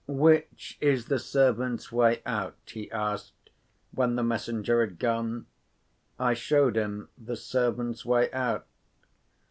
"Which is the servants' way out?" he asked, when the messenger had gone. I showed him the servants' way out.